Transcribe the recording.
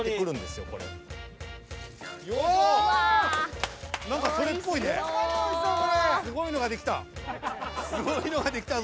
すごいのが出来た。